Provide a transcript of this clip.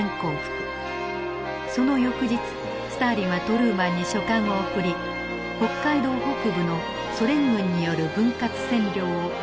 その翌日スターリンはトルーマンに書簡を送り北海道北部のソ連軍による分割占領を提案。